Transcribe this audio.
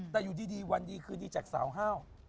แต่อยู่ดีวันดีคืนดีจากสาวห้าว